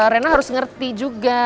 rena harus ngerti juga